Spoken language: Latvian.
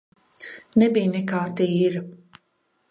Nebija nekā tīra.